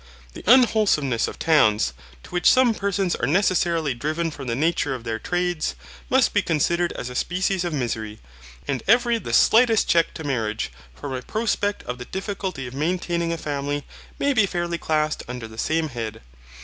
The unwholesomeness of towns, to which some persons are necessarily driven from the nature of their trades, must be considered as a species of misery, and every the slightest check to marriage, from a prospect of the difficulty of maintaining a family, may be fairly classed under the same head.